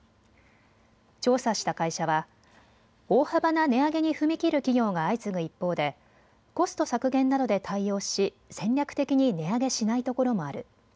調査した会社は大幅な値上げに踏み切る企業が相次ぐ一方でコスト削減などで対応し戦略的に値上げしないところもある。